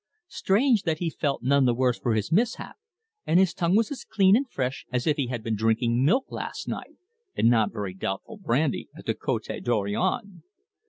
Strange that he felt none the worse for his mishap, and his tongue was as clean and fresh as if he had been drinking milk last night, and not very doubtful brandy at the Cote Dorion.